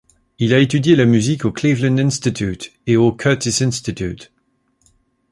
Il a étudié la musique au Cleveland Institute et au Curtis Institute.